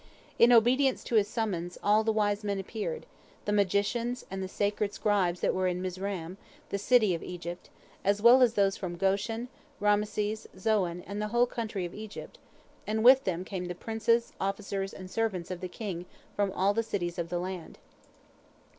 In obedience to his summons, all the wise men appeared, the magicians and the sacred scribes that were in Mizraim, the city of Egypt, as well as those from Goshen, Raamses, Zoan, and the whole country of Egypt, and with them came the princes, officers, and servants of the king from all the cities of the land.